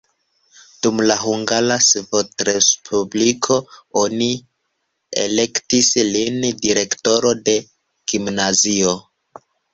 Dum la Hungara Sovetrespubliko oni elektis lin direktoro de gimnazio.